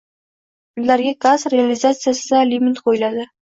Ularga gaz realizatsiyasida limit qoʻyiladi.